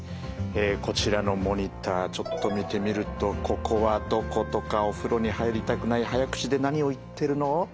こちらのモニターちょっと見てみると「ここはどこ？」とか「お風呂に入りたくない」「早口で何を言ってるの？」。